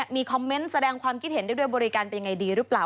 มีคอมเมนต์แสดงความคิดเห็นได้ด้วยบริการเป็นยังไงดีหรือเปล่า